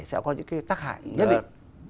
sẽ có những cái tác hại nhất định